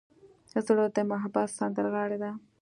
زړه د محبت سندرغاړی دی.